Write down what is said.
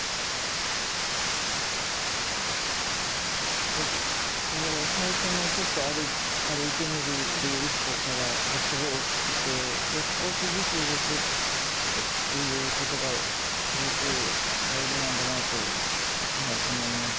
やっぱり最初のちょっと歩いてみるという一歩がすごく大きくて少しずつ動くということがすごく大事なんだなと思います。